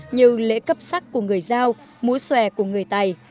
như lễ cấp sắc của người dao mũi xòe của người tài